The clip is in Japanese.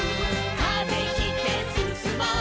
「風切ってすすもう」